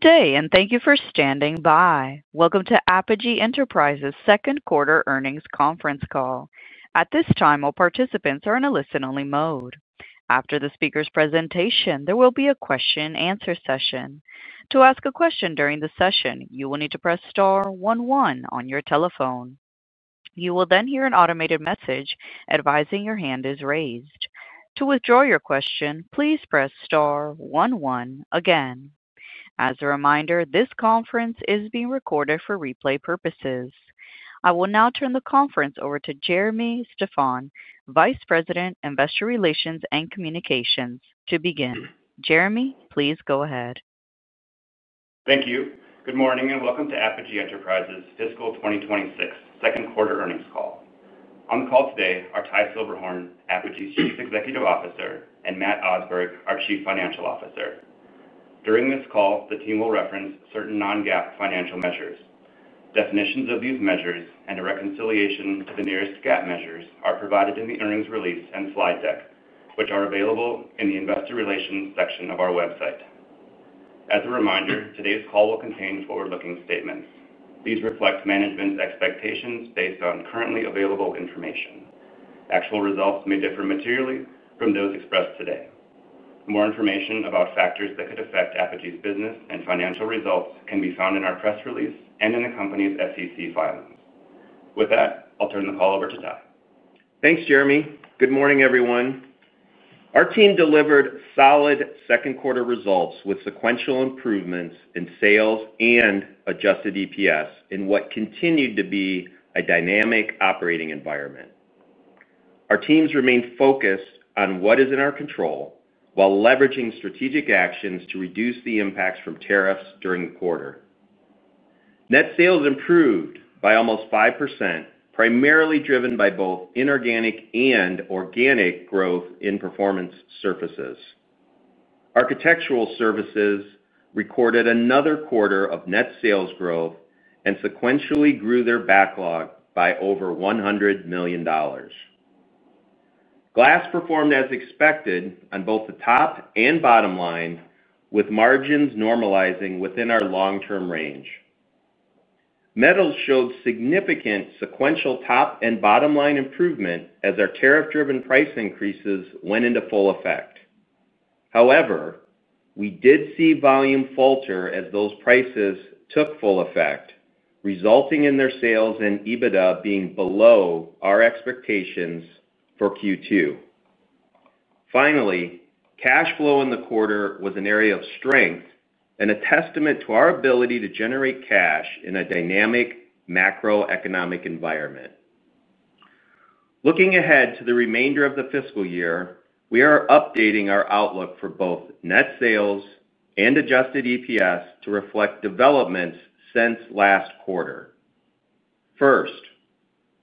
Today, and thank you for standing by. Welcome to Apogee Enterprises' second quarter earnings conference call. At this time, all participants are in a listen-only mode. After the speaker's presentation, there will be a question-and-answer session. To ask a question during the session, you will need to press star one one on your telephone. You will then hear an automated message advising your hand is raised. To withdraw your question, please press star one one again. As a reminder, this conference is being recorded for replay purposes. I will now turn the conference over to Jeremy Steffan, Vice President, Investor Relations and Communications, to begin. Jeremy, please go ahead. Thank you. Good morning and welcome to Apogee Enterprises' fiscal 2026 second quarter earnings call. On the call today are Ty Silberhorn, Apogee's Chief Executive Officer, and Matt Osberg, our Chief Financial Officer. During this call, the team will reference certain non-GAAP financial measures. Definitions of these measures and a reconciliation to the various GAAP measures are provided in the earnings release and slide deck, which are available in the Investor Relations section of our website. As a reminder, today's call will contain forward-looking statements. These reflect management expectations based on currently available information. Actual results may differ materially from those expressed today. More information about factors that could affect Apogee's business and financial results can be found in our press release and in the company's SEC filings. With that, I'll turn the call over to Ty. Thanks, Jeremy. Good morning, everyone. Our team delivered solid second quarter results with sequential improvements in sales and adjusted EPS in what continued to be a dynamic operating environment. Our teams remained focused on what is in our control while leveraging strategic actions to reduce the impacts from tariffs during the quarter. Net sales improved by almost 5%, primarily driven by both inorganic and organic growth in Performance Services. Architectural Services recorded another quarter of net sales growth and sequentially grew their backlog by over $100 million. Glass performed as expected on both the top and bottom line, with margins normalizing within our long-term range. Metals showed significant sequential top and bottom line improvement as our tariff-driven price increases went into full effect. However, we did see volume falter as those prices took full effect, resulting in their sales and EBITDA being below our expectations for Q2. Finally, cash flow in the quarter was an area of strength and a testament to our ability to generate cash in a dynamic macroeconomic environment. Looking ahead to the remainder of the fiscal year, we are updating our outlook for both net sales and adjusted EPS to reflect developments since last quarter. First,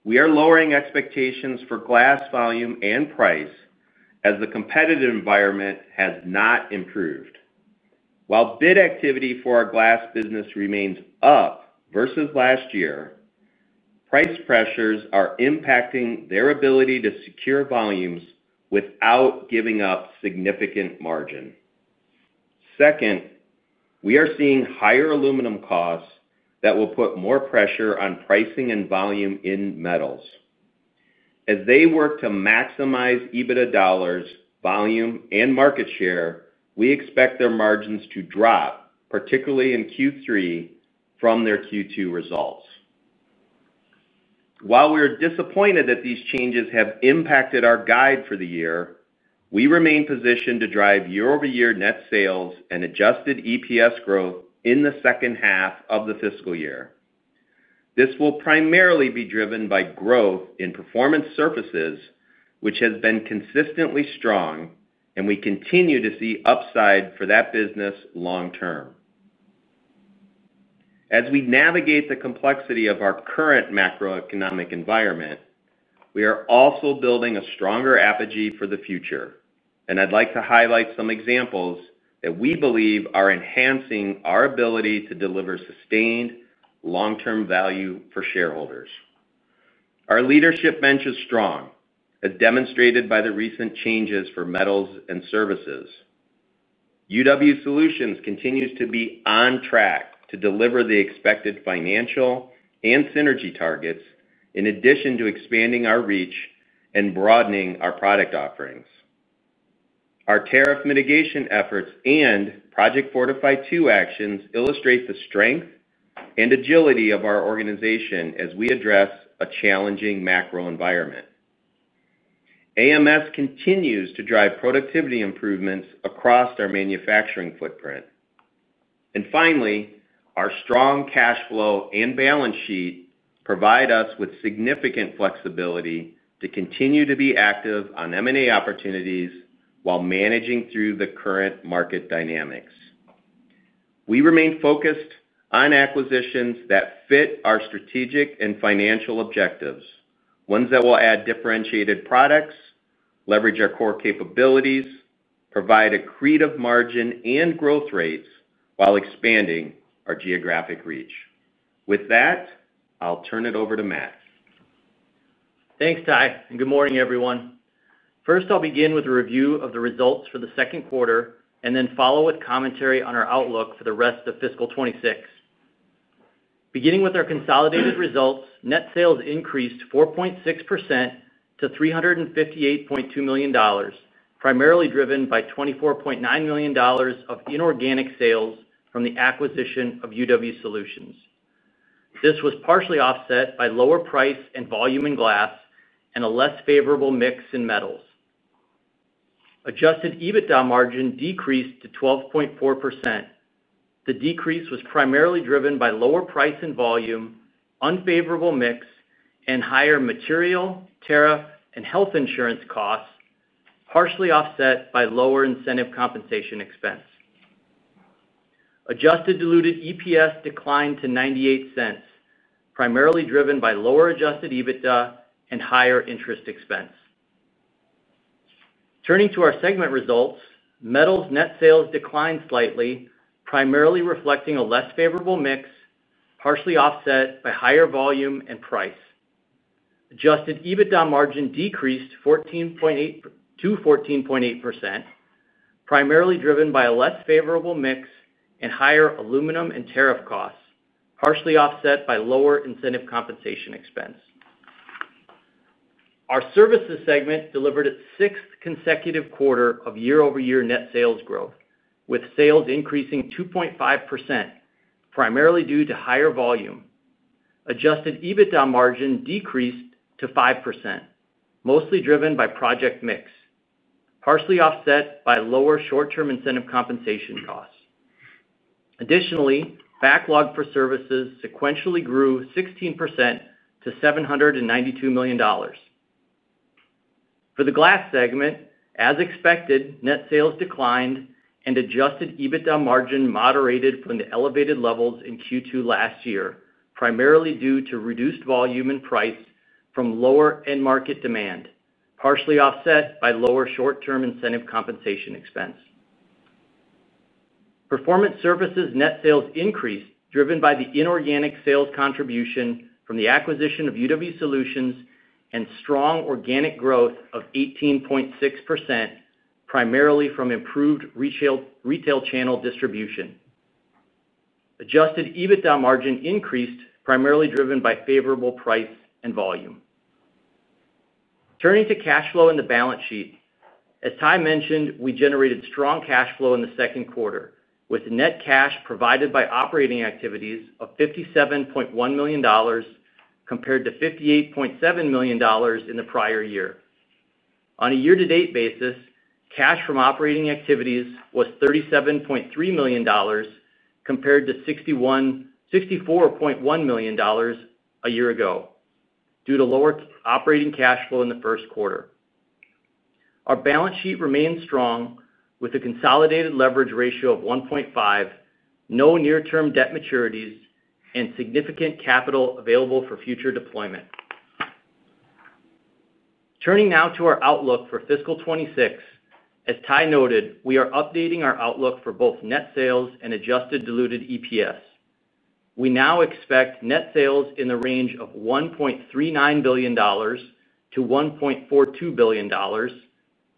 we are lowering expectations for glass volume and price as the competitive environment has not improved. While bid activity for our glass business remains up versus last year, price pressures are impacting their ability to secure volumes without giving up significant margin. Second, we are seeing higher aluminum costs that will put more pressure on pricing and volume in Metals. As they work to maximize EBITDA dollars, volume, and market share, we expect their margins to drop, particularly in Q3, from their Q2 results. While we are disappointed that these changes have impacted our guide for the year, we remain positioned to drive year-over-year net sales and adjusted EPS growth in the second half of the fiscal year. This will primarily be driven by growth in Performance Services, which has been consistently strong, and we continue to see upside for that business long term. As we navigate the complexity of our current macroeconomic environment, we are also building a stronger Apogee for the future, and I'd like to highlight some examples that we believe are enhancing our ability to deliver sustained long-term value for shareholders. Our leadership bench is strong, as demonstrated by the recent changes for metals and services. UW Solutions continues to be on track to deliver the expected financial and synergy targets, in addition to expanding our reach and broadening our product offerings. Our tariff mitigation efforts and Project Fortify II actions illustrate the strength and agility of our organization as we address a challenging macro environment. AMS continues to drive productivity improvements across our manufacturing footprint. Finally, our strong cash flow and balance sheet provide us with significant flexibility to continue to be active on M&A opportunities while managing through the current market dynamics. We remain focused on acquisitions that fit our strategic and financial objectives, ones that will add differentiated products, leverage our core capabilities, provide accretive margin and growth rates while expanding our geographic reach. With that, I'll turn it over to Matt. Thanks, Ty, and good morning, everyone. First, I'll begin with a review of the results for the second quarter and then follow with commentary on our outlook for the rest of fiscal 2026. Beginning with our consolidated results, net sales increased 4.6% to $358.2 million, primarily driven by $24.9 million of inorganic sales from the acquisition of UW Solutions. This was partially offset by lower price and volume in glass and a less favorable mix in metals. Adjusted EBITDA margin decreased to 12.4%. The decrease was primarily driven by lower price and volume, unfavorable mix, and higher material, tariff, and health insurance costs, partially offset by lower incentive compensation expense. Adjusted diluted EPS declined to $0.98, primarily driven by lower adjusted EBITDA and higher interest expense. Turning to our segment results, metals net sales declined slightly, primarily reflecting a less favorable mix, partially offset by higher volume and price. Adjusted EBITDA margin decreased to 14.8%, primarily driven by a less favorable mix and higher aluminum and tariff costs, partially offset by lower incentive compensation expense. Our services segment delivered its sixth consecutive quarter of year-over-year net sales growth, with sales increasing 2.5%, primarily due to higher volume. Adjusted EBITDA margin decreased to 5%, mostly driven by project mix, partially offset by lower short-term incentive compensation costs. Additionally, backlog for services sequentially grew 16% to $792 million. For the glass segment, as expected, net sales declined and adjusted EBITDA margin moderated from the elevated levels in Q2 last year, primarily due to reduced volume and price from lower end-market demand, partially offset by lower short-term incentive compensation expense. Performance Services net sales increased, driven by the inorganic sales contribution from the acquisition of UW Solutions and strong organic growth of 18.6%, primarily from improved retail channel distribution. Adjusted EBITDA margin increased, primarily driven by favorable price and volume. Turning to cash flow in the balance sheet, as Ty mentioned, we generated strong cash flow in the second quarter, with net cash provided by operating activities of $57.1 million compared to $58.7 million in the prior year. On a year-to-date basis, cash from operating activities was $37.3 million compared to $64.1 million a year ago due to lower operating cash flow in the first quarter. Our balance sheet remains strong with a consolidated leverage ratio of 1.5, no near-term debt maturities, and significant capital available for future deployment. Turning now to our outlook for fiscal 2026, as Ty noted, we are updating our outlook for both net sales and adjusted diluted EPS. We now expect net sales in the range of $1.39 billion - $1.42 billion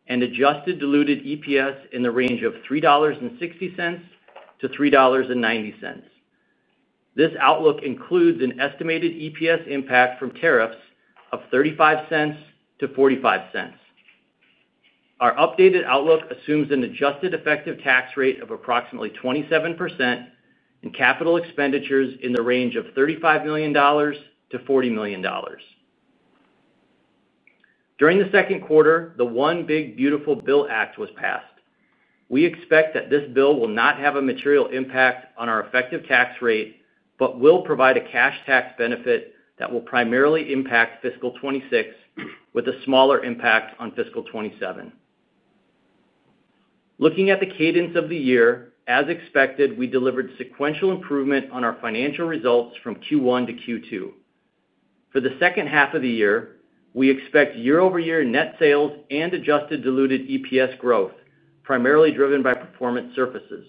and adjusted diluted EPS in the range of $3.60 - $3.90. This outlook includes an estimated EPS impact from tariffs of $0.35 - $0.45. Our updated outlook assumes an adjusted effective tax rate of approximately 27% and capital expenditures in the range of $35 million - $40 million. During the second quarter, the One Big Beautiful Bill Act was passed. We expect that this bill will not have a material impact on our effective tax rate but will provide a cash tax benefit that will primarily impact fiscal 2026 with a smaller impact on fiscal 2027. Looking at the cadence of the year, as expected, we delivered sequential improvement on our financial results from Q1 to Q2. For the second half of the year, we expect year-over-year net sales and adjusted diluted EPS growth, primarily driven by Performance Services.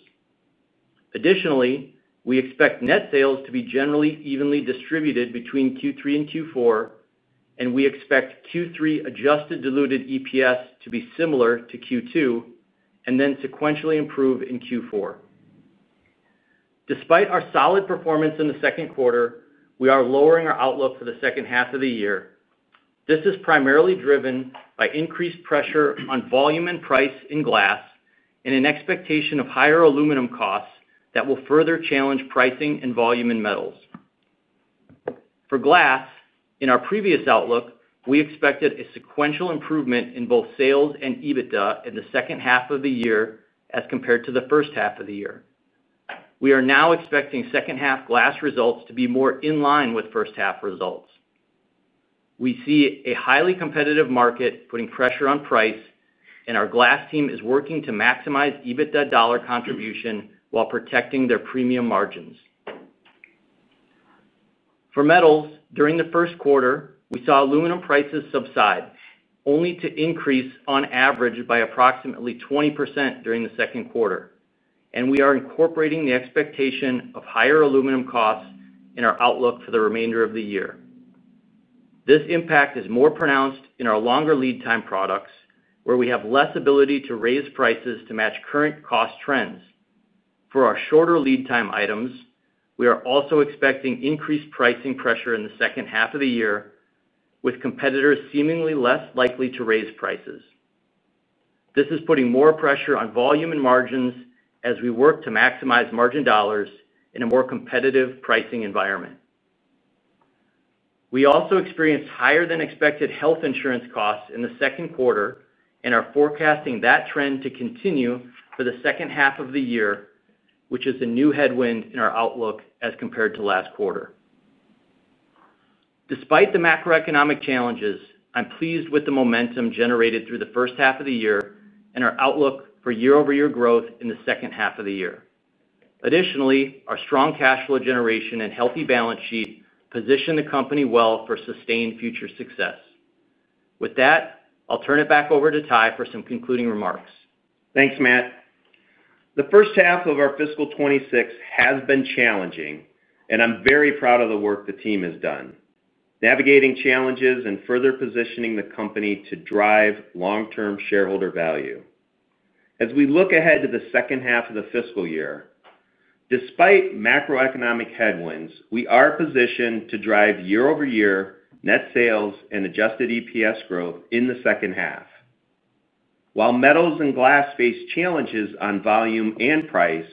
Additionally, we expect net sales to be generally evenly distributed between Q3 and Q4, and we expect Q3 adjusted diluted EPS to be similar to Q2 and then sequentially improve in Q4. Despite our solid performance in the second quarter, we are lowering our outlook for the second half of the year. This is primarily driven by increased pressure on volume and price in glass and an expectation of higher aluminum costs that will further challenge pricing and volume in metals. For glass, in our previous outlook, we expected a sequential improvement in both sales and EBITDA in the second half of the year as compared to the first half of the year. We are now expecting second half glass results to be more in line with first half results. We see a highly competitive market putting pressure on price, and our glass team is working to maximize EBITDA dollar contribution while protecting their premium margins. For metals, during the first quarter, we saw aluminum prices subside, only to increase on average by approximately 20% during the second quarter, and we are incorporating the expectation of higher aluminum costs in our outlook for the remainder of the year. This impact is more pronounced in our longer lead time products, where we have less ability to raise prices to match current cost trends. For our shorter lead time items, we are also expecting increased pricing pressure in the second half of the year, with competitors seemingly less likely to raise prices. This is putting more pressure on volume and margins as we work to maximize margin dollars in a more competitive pricing environment. We also experienced higher than expected health insurance costs in the second quarter and are forecasting that trend to continue for the second half of the year, which is a new headwind in our outlook as compared to last quarter. Despite the macroeconomic challenges, I'm pleased with the momentum generated through the first half of the year and our outlook for year-over-year growth in the second half of the year. Additionally, our strong cash flow generation and healthy balance sheet position the company well for sustained future success. With that, I'll turn it back over to Ty for some concluding remarks. Thanks, Matt. The first half of our fiscal 2026 has been challenging, and I'm very proud of the work the team has done, navigating challenges and further positioning the company to drive long-term shareholder value. As we look ahead to the second half of the fiscal year, despite macroeconomic headwinds, we are positioned to drive year-over-year net sales and adjusted diluted EPS growth in the second half. While metals and glass face challenges on volume and price,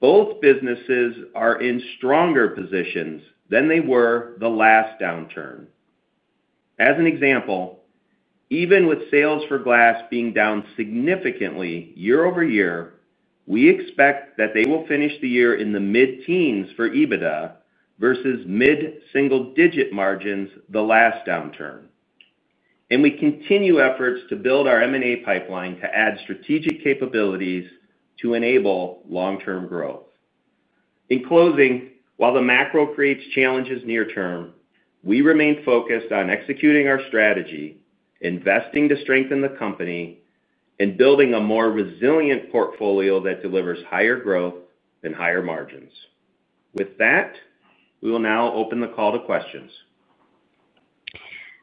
both businesses are in stronger positions than they were the last downturn. For example, even with sales for glass being down significantly year-over-year, we expect that they will finish the year in the mid-teens for EBITDA versus mid-single-digit margins the last downturn. We continue efforts to build our M&A pipeline to add strategic capabilities to enable long-term growth. In closing, while the macro creates challenges near term, we remain focused on executing our strategy, investing to strengthen the company, and building a more resilient portfolio that delivers higher growth and higher margins. With that, we will now open the call to questions.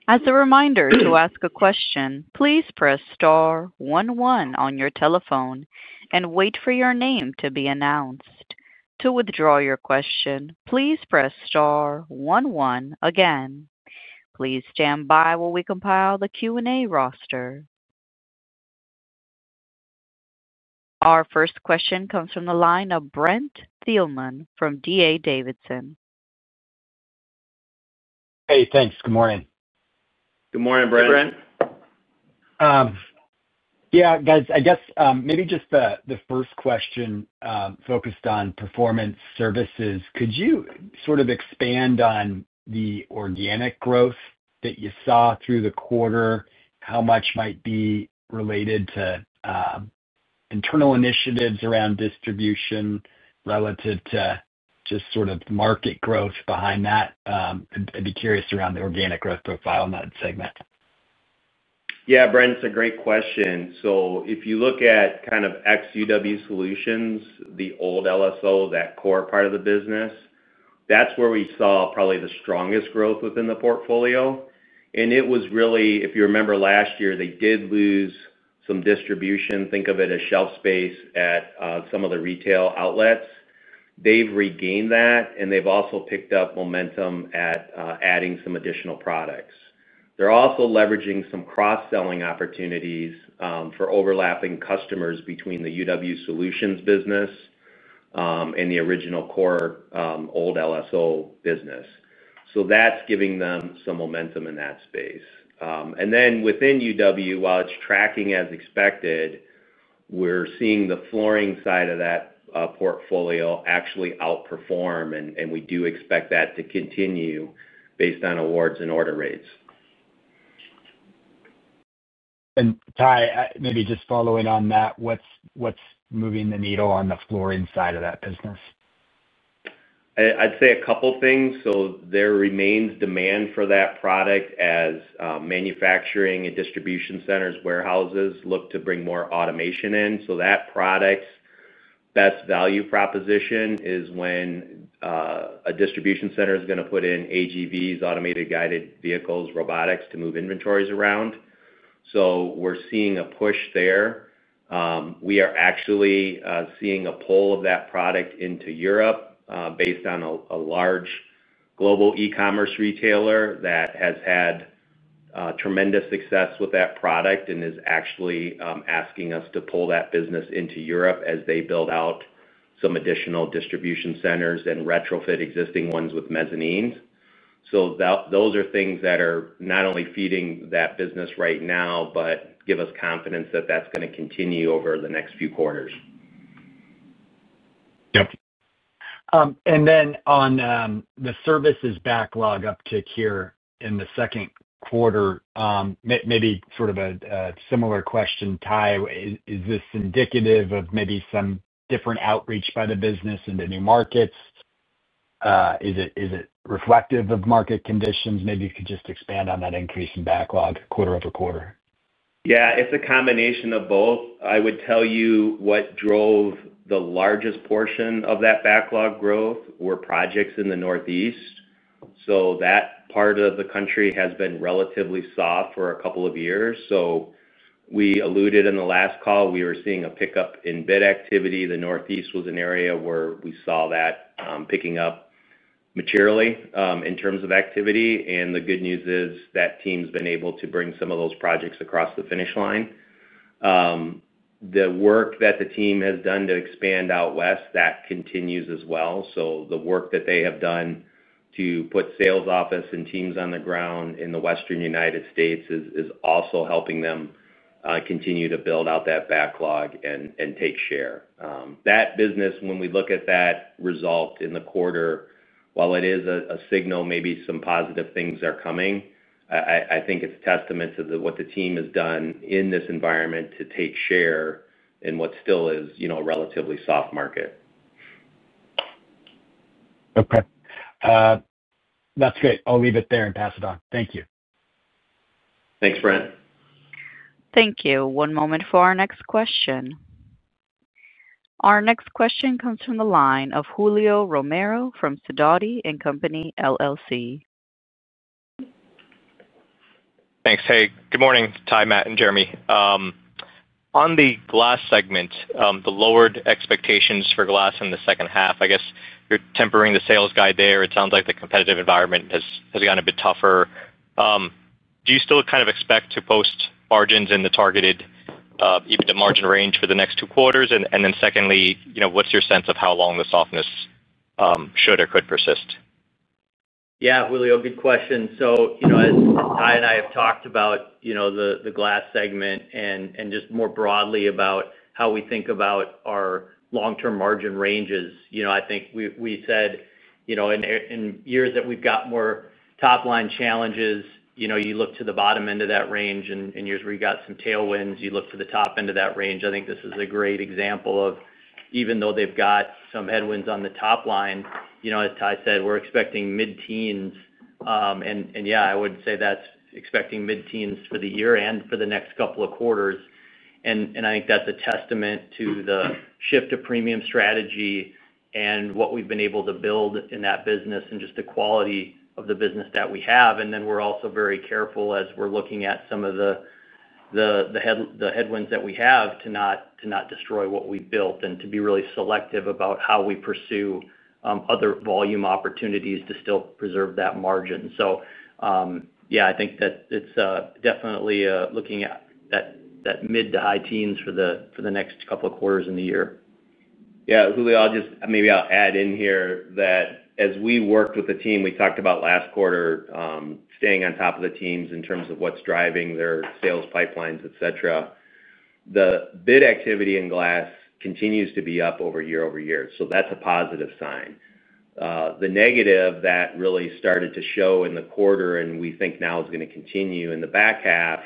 As a reminder, to ask a question, please press star one one on your telephone and wait for your name to be announced. To withdraw your question, please press star one one again. Please stand by while we compile the Q&A roster. Our first question comes from the line of Brent Thielman from D.A. Davidson. Hey, thanks. Good morning. Good morning, Brent. Yeah, guys, I guess maybe just the first question focused on Performance Services. Could you sort of expand on the organic growth that you saw through the quarter? How much might be related to internal initiatives around distribution relative to just sort of market growth behind that? I'd be curious around the organic growth profile in that segment. Yeah, Brent, it's a great question. If you look at kind of UW Solutions, the old Large-Scale Optical, that core part of the business, that's where we saw probably the strongest growth within the portfolio. It was really, if you remember last year, they did lose some distribution. Think of it as shelf space at some of the retail outlets. They've regained that, and they've also picked up momentum at adding some additional products. They're also leveraging some cross-selling opportunities for overlapping customers between the UW Solutions business and the original core old Large-Scale Optical business. That's giving them some momentum in that space. Within UW, while it's tracking as expected, we're seeing the flooring side of that portfolio actually outperform, and we do expect that to continue based on awards and order rates. Ty, maybe just following on that, what's moving the needle on the flooring side of that business? I'd say a couple of things. There remains demand for that product as manufacturing and distribution centers, warehouses look to bring more automation in. That product's best value proposition is when a distribution center is going to put in AGVs, automated guided vehicles, robotics to move inventories around. We are seeing a push there. We are actually seeing a pull of that product into Europe based on a large global e-commerce retailer that has had tremendous success with that product and is actually asking us to pull that business into Europe as they build out some additional distribution centers and retrofit existing ones with mezzanines. Those are things that are not only feeding that business right now, but give us confidence that that's going to continue over the next few quarters. Yep. On the services backlog uptick here in the second quarter, maybe sort of a similar question, Ty, is this indicative of maybe some different outreach by the business into new markets? Is it reflective of market conditions? Maybe you could just expand on that increase in backlog quarter over quarter. Yeah, it's a combination of both. I would tell you what drove the largest portion of that backlog growth were projects in the Northeast. That part of the country has been relatively soft for a couple of years. As we alluded in the last call, we were seeing a pickup in bid activity. The Northeast was an area where we saw that picking up materially in terms of activity. The good news is that team's been able to bring some of those projects across the finish line. The work that the team has done to expand out west continues as well. The work that they have done to put sales office and teams on the ground in the Western United States is also helping them continue to build out that backlog and take share. That business, when we look at that result in the quarter, while it is a signal maybe some positive things are coming, I think it's a testament to what the team has done in this environment to take share in what still is a relatively soft market. Okay, that's great. I'll leave it there and pass it on. Thank you. Thanks, Brent. Thank you. One moment for our next question. Our next question comes from the line of Julio Romero from Sidoti & Company LLC. Thanks. Hey, good morning, Ty, Matt, and Jeremy. On the glass segment, the lowered expectations for glass in the second half, I guess you're tempering the sales guy there. It sounds like the competitive environment has gotten a bit tougher. Do you still kind of expect to post margins in the targeted EBITDA margin range for the next two quarters? Secondly, you know, what's your sense of how long the softness should or could persist? Yeah, Julio, good question. As Ty and I have talked about, the glass segment and just more broadly about how we think about our long-term margin ranges, I think we said in years that we've got more top-line challenges, you look to the bottom end of that range, and years where you got some tailwinds, you look for the top end of that range. I think this is a great example of even though they've got some headwinds on the top line, as Ty said, we're expecting mid-teens. Yeah, I would say that's expecting mid-teens for the year and for the next couple of quarters. I think that's a testament to the shift to premium strategy and what we've been able to build in that business and just the quality of the business that we have. We're also very careful as we're looking at some of the headwinds that we have to not destroy what we built and to be really selective about how we pursue other volume opportunities to still preserve that margin. I think that it's definitely looking at that mid to high teens for the next couple of quarters in the year. Yeah, Julio, I'll just add in here that as we worked with the team, we talked about last quarter staying on top of the teams in terms of what's driving their sales pipelines, etc. The bid activity in glass continues to be up year-over-year, which is a positive sign. The negative that really started to show in the quarter, and we think now is going to continue in the back half,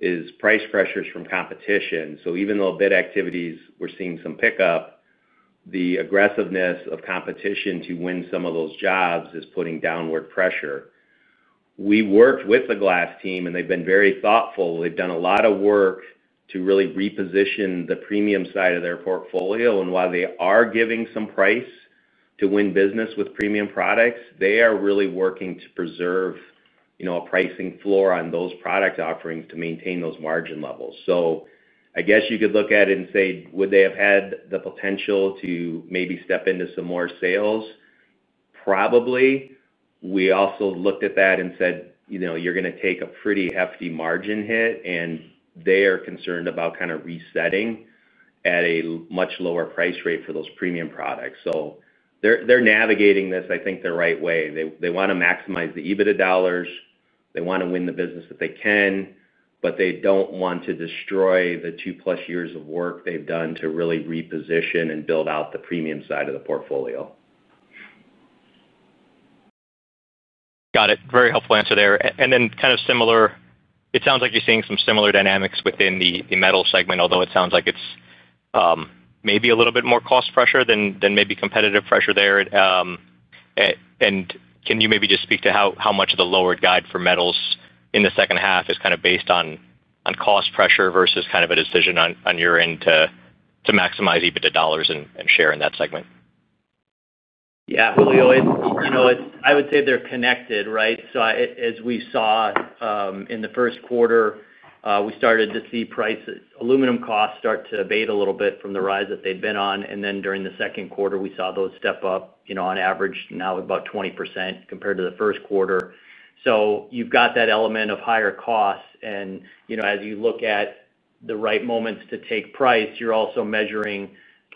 is price pressures from competition. Even though bid activities are seeing some pickup, the aggressiveness of competition to win some of those jobs is putting downward pressure. We worked with the glass team and they've been very thoughtful. They've done a lot of work to really reposition the premium side of their portfolio. While they are giving some price to win business with premium products, they are really working to preserve a pricing floor on those product offerings to maintain those margin levels. I guess you could look at it and say, would they have had the potential to maybe step into some more sales? Probably. We also looked at that and said, you're going to take a pretty hefty margin hit, and they are concerned about kind of resetting at a much lower price rate for those premium products. They're navigating this, I think, the right way. They want to maximize the EBITDA dollars. They want to win the business that they can, but they don't want to destroy the two-plus years of work they've done to really reposition and build out the premium side of the portfolio. Got it. Very helpful answer there. It sounds like you're seeing some similar dynamics within the metal segment, although it sounds like it's maybe a little bit more cost pressure than maybe competitive pressure there. Can you maybe just speak to how much of the lowered guide for metals in the second half is based on cost pressure versus a decision on your end to maximize EBITDA dollars and share in that segment? Yeah, Julio, I would say they're connected, right? As we saw in the first quarter, we started to see price aluminum costs start to abate a little bit from the rise that they'd been on. During the second quarter, we saw those step up, on average now about 20% compared to the first quarter. You've got that element of higher costs. As you look at the right moments to take price, you're also measuring,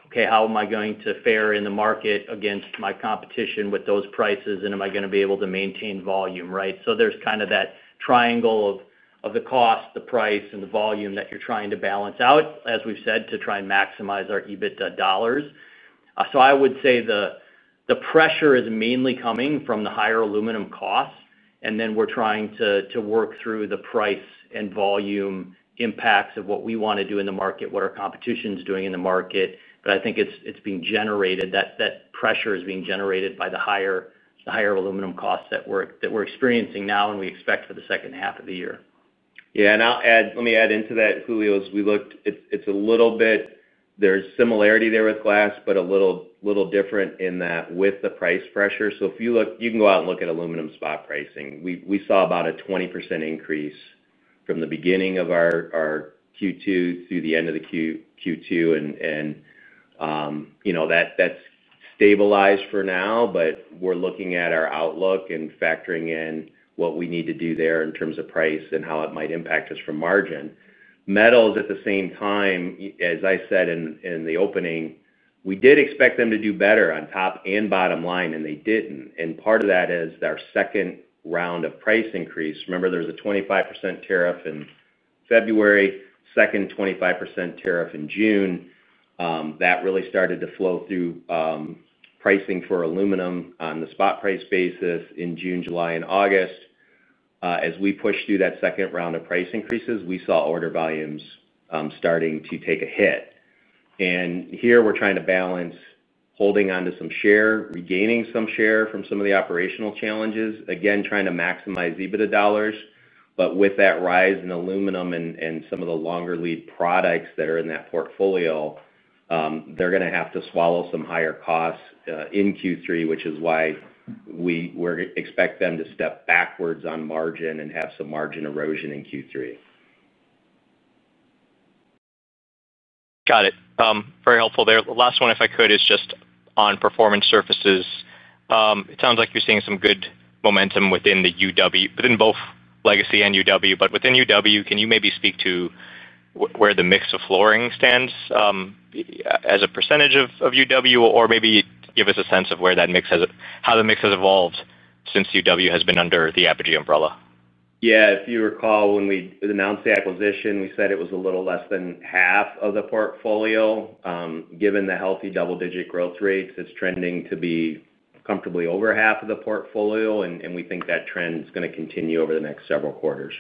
okay, how am I going to fare in the market against my competition with those prices? Am I going to be able to maintain volume, right? There's kind of that triangle of the cost, the price, and the volume that you're trying to balance out, as we've said, to try and maximize our EBITDA dollars. I would say the pressure is mainly coming from the higher aluminum costs. We're trying to work through the price and volume impacts of what we want to do in the market, what our competition is doing in the market. I think that pressure is being generated by the higher aluminum costs that we're experiencing now and we expect for the second half of the year. Yeah, and I'll add, let me add into that, Julio, as we looked, it's a little bit, there's similarity there with glass, but a little different in that with the price pressure. If you look, you can go out and look at aluminum spot pricing. We saw about a 20% increase from the beginning of our Q2 through the end of the Q2, and that's stabilized for now, but we're looking at our outlook and factoring in what we need to do there in terms of price and how it might impact us from margin. Metals, at the same time, as I said in the opening, we did expect them to do better on top and bottom line, and they didn't. Part of that is our second round of price increase. Remember, there's a 25% tariff in February, second 25% tariff in June. That really started to flow through pricing for aluminum on the spot price basis in June, July, and August. As we pushed through that second round of price increases, we saw order volumes starting to take a hit. Here we're trying to balance holding on to some share, regaining some share from some of the operational challenges, again, trying to maximize EBITDA dollars. With that rise in aluminum and some of the longer lead products that are in that portfolio, they're going to have to swallow some higher costs in Q3, which is why we expect them to step backwards on margin and have some margin erosion in Q3. Got it. Very helpful there. The last one, if I could, is just on Performance Services. It sounds like you're seeing some good momentum within the UW, within both Legacy and UW. Within UW, can you maybe speak to where the mix of flooring stands as a percentage of UW, or maybe give us a sense of how the mix has evolved since UW has been under the Apogee umbrella? Yeah, if you recall, when we announced the acquisition, we said it was a little less than half of the portfolio. Given the healthy double-digit growth rates, it's trending to be comfortably over half of the portfolio, and we think that trend is going to continue over the next several quarters.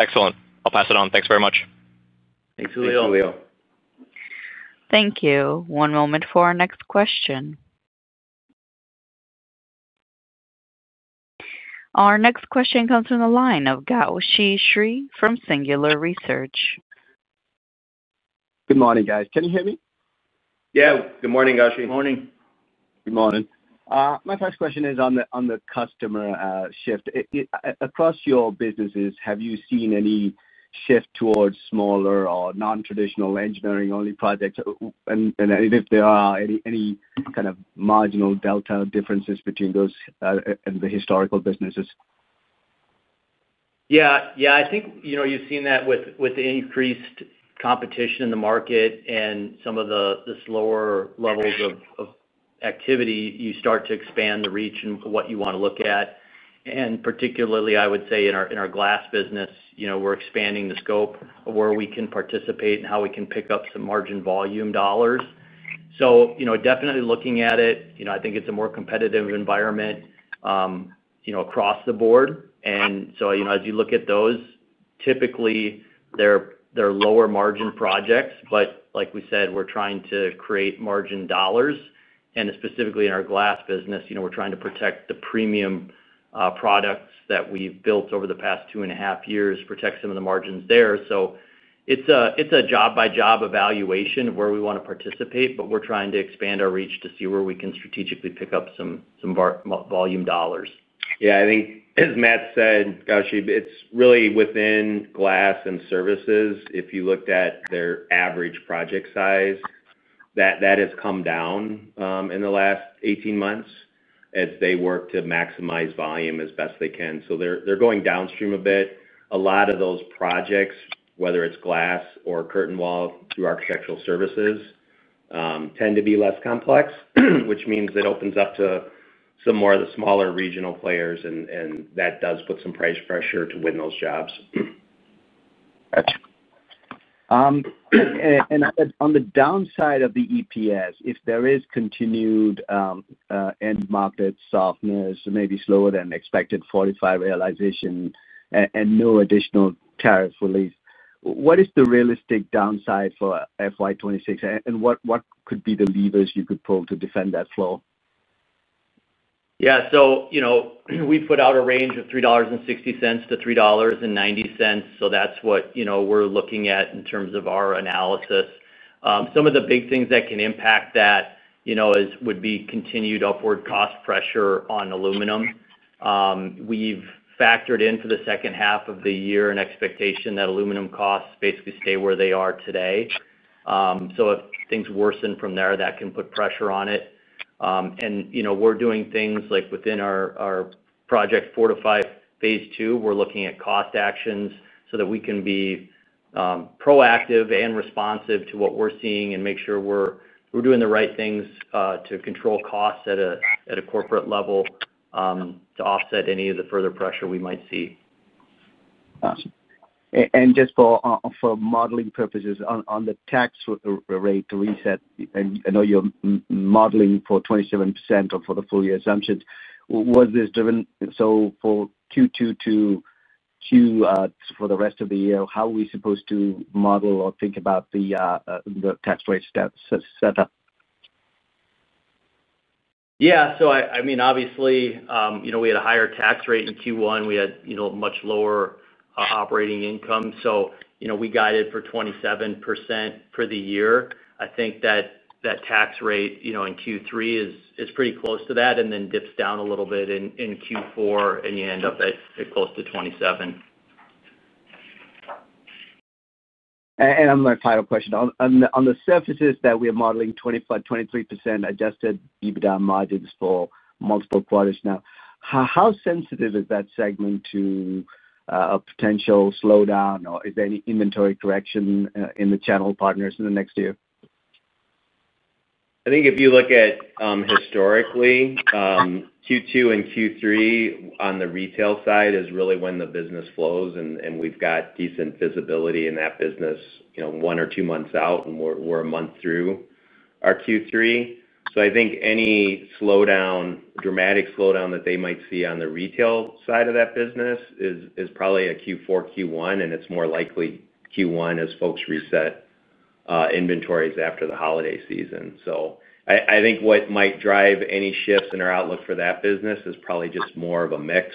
Excellent. I'll pass it on. Thanks very much. Thanks, Julio. Thanks, Julio. Thank you. One moment for our next question. Our next question comes from the line of Gowshi Sri from Singular Research. Good morning, guys. Can you hear me? Yeah, good morning, Gowshi. Morning. Good morning. My first question is on the customer shift. Across your businesses, have you seen any shift towards smaller or non-traditional engineering-only projects? If there are any kind of marginal delta differences between those and the historical businesses? Yeah, I think you've seen that with the increased competition in the market and some of the slower levels of activity, you start to expand the reach and what you want to look at. Particularly, I would say in our glass business, we're expanding the scope of where we can participate and how we can pick up some margin volume dollars. Definitely looking at it, I think it's a more competitive environment across the board. As you look at those, typically, they're lower margin projects. Like we said, we're trying to create margin dollars. Specifically in our glass business, we're trying to protect the premium products that we've built over the past two and a half years, protect some of the margins there. It's a job-by-job evaluation of where we want to participate, but we're trying to expand our reach to see where we can strategically pick up some volume dollars. Yeah, I think, as Matt said, Gowshi, it's really within glass and services. If you looked at their average project size, that has come down in the last 18 months as they work to maximize volume as best they can. They're going downstream a bit. A lot of those projects, whether it's glass or curtain wall through Architectural Services, tend to be less complex, which means it opens up to some more of the smaller regional players, and that does put some price pressure to win those jobs. On the downside of the EPS, if there is continued end market softness, maybe slower than expected Fortify realization and no additional tariff relief, what is the realistic downside for FY 2026? What could be the levers you could pull to defend that flow? Yeah, we've put out a range of $3.60 - $3.90. That's what we're looking at in terms of our analysis. Some of the big things that can impact that would be continued upward cost pressure on aluminum. We've factored into the second half of the year an expectation that aluminum costs basically stay where they are today. If things worsen from there, that can put pressure on it. We're doing things like within our Project Fortify II, we're looking at cost actions so that we can be proactive and responsive to what we're seeing and make sure we're doing the right things to control costs at a corporate level to offset any of the further pressure we might see. For modeling purposes, on the tax rate reset, I know you're modeling for 27% for the full year. Was this driven for Q2 to Q2 for the rest of the year? How are we supposed to model or think about the tax rate setup? Yeah, I mean, obviously, we had a higher tax rate in Q1. We had a much lower operating income. We guided for 27% for the year. I think that tax rate in Q3 is pretty close to that and then dips down a little bit in Q4, and you end up at close to 27%. On my final question, on the surfaces that we are modeling 25%, 23% adjusted EBITDA margins for multiple quarters now, how sensitive is that segment to a potential slowdown, or is there any inventory correction in the channel partners in the next year? I think if you look at historically, Q2 and Q3 on the retail side is really when the business flows, and we've got decent visibility in that business, you know, one or two months out, and we're a month through our Q3. I think any slowdown, dramatic slowdown that they might see on the retail side of that business is probably a Q4, Q1, and it's more likely Q1 as folks reset inventories after the holiday season. I think what might drive any shifts in our outlook for that business is probably just more of a mix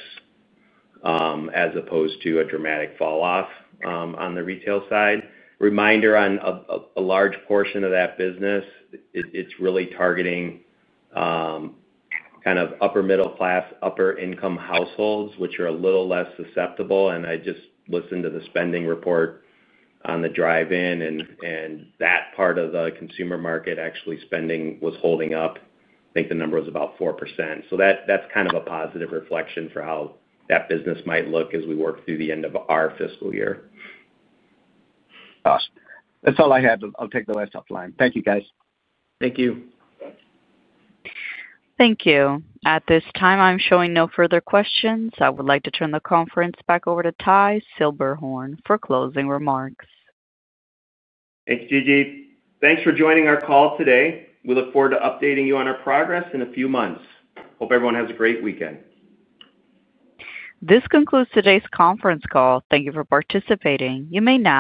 as opposed to a dramatic falloff on the retail side. Reminder on a large portion of that business, it's really targeting kind of upper middle class, upper income households, which are a little less susceptible. I just listened to the spending report on the drive-in, and that part of the consumer market actually spending was holding up. I think the number was about 4%. That's kind of a positive reflection for how that business might look as we work through the end of our fiscal year. Awesome. That's all I have. I'll take the last offline. Thank you, guys. Thank you. Thank you. At this time, I'm showing no further questions. I would like to turn the conference back over to Ty Silberhorn for closing remarks. Thanks, Gigi. Thanks for joining our call today. We look forward to updating you on our progress in a few months. Hope everyone has a great weekend. This concludes today's conference call. Thank you for participating. You may now disconnect.